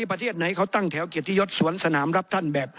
ประเทศไหนเขาตั้งแถวเกียรติยศสวนสนามรับท่านแบบ